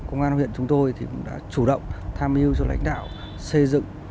công an huyện chúng tôi đã chủ động tham hiu cho lãnh đạo xây dựng